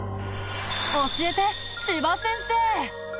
教えて千葉先生！